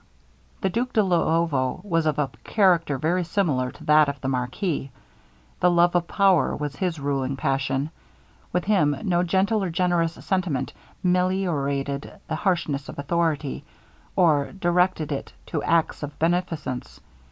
The Duke de Luovo was of a character very similar to that of the marquis. The love of power was his ruling passion; with him no gentle or generous sentiment meliorated the harshness of authority, or directed it to acts of beneficence.